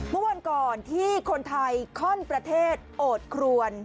เมื่อวันก่อนที่คนไทยข้อนประเทศโอดครวน